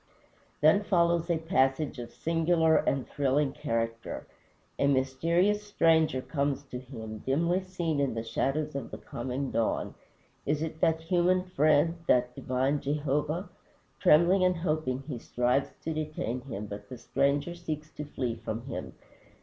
Then follows a passage of singular and thrilling character. A mysterious stranger comes to him, dimly seen in the shadows of the coming dawn. Is it that human Friend that divine Jehovah? Trembling and hoping he strives to detain him, but the stranger seeks to flee from him.